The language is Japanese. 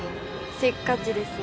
せっかちですね。